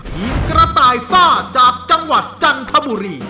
ทีมกระต่ายซ่าจากจังหวัดจันทบุรี